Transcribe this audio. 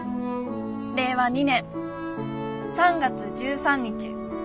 令和２年３月１３日